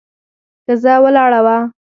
ښځه ولاړه وه.